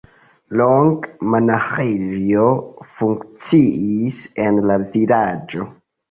Longe monaĥejo funkciis en la vilaĝo.